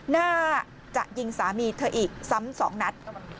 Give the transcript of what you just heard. น่าจะยิงสามีเธออีกซ้ำสองนัด